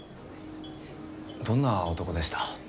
どんな男でした？